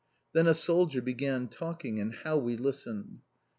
Then a soldier began talking, and how we listened.